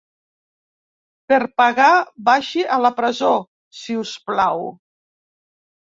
Per pagar vagi a la presó, si us plau.